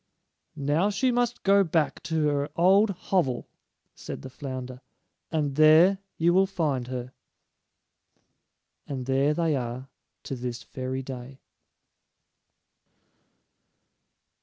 "Now she must go back to her old hovel," said the flounder; "and there you will find her." And there they are to this very day!